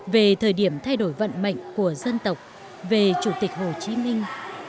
về thời điểm thay đổi vận mệnh của dân tộc về chủ tịch hồ chí minh